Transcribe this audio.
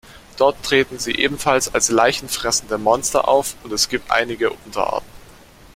Dort treten sie ebenfalls als Leichen fressende Monster auf, und es gibt einige Unterarten.